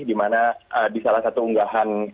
dimana di salah satu unggahan